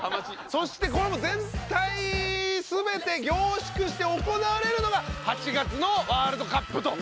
そしてこれもう全体全て凝縮して行われるのが８月のワールドカップと。